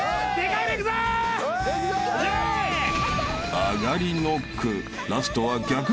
［上がりノック］